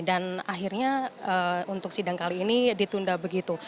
dan akhirnya untuk sidang kali ini ditunda begitu